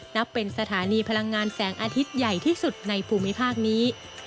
นับเป็นสถานีพลังงานแสงอาทิตย์ใหญ่ที่สุดในภูมิภาคนี้